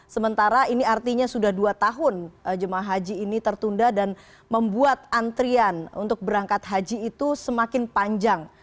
sementara ini artinya sudah dua tahun jemaah haji ini tertunda dan membuat antrian untuk berangkat haji itu semakin panjang